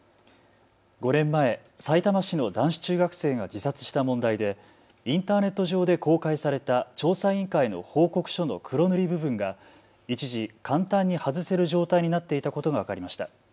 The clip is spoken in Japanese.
５年前、さいたま市の男子中学生が自殺した問題でインターネット上で公開された調査委員会の報告書の黒塗り部分が一時、簡単に外せる状態になっていたことが分かりました。